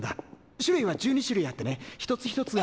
種類は１２種類あってね一つ一つが。